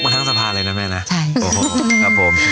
โห่โอ้โหครับผม